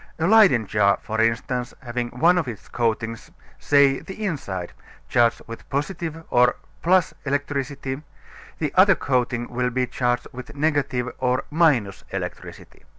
A Leyden jar, for instance, having one of its coatings (say the inside) charged with positive or + electricity, the other coating will be charged with negative or electricity.